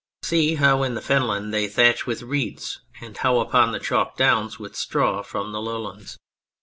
See how in the Fen Land they thatch with reeds, and how upon the Chalk Downs with straw from the lowlands.